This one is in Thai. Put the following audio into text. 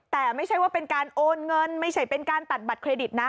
แต่ไม่ใช่ว่าเป็นการโอนเงินไม่ใช่เป็นการตัดบัตรเครดิตนะ